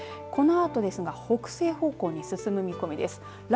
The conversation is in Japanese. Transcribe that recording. このあとですが北西方向に進む見込みです。